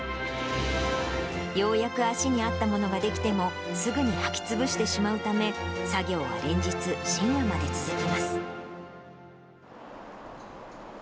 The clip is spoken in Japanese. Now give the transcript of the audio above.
ようやく足に合ったものが出来ても、すぐに履きつぶしてしまうため、作業は連日、深夜まで続きます。